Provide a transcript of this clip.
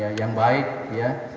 yang baik yang baik yang baik